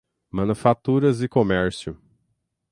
Manufaturas e Comércio